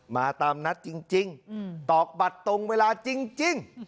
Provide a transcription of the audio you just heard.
มาตามนัดจริงตอกบัตรตรงเวลาจริง